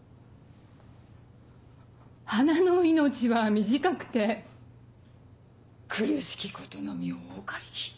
「花の命は短くて苦しきことのみ多かりき」。